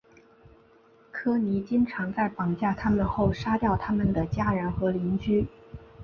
科尼经常在绑架他们后杀掉他们的家人和邻居。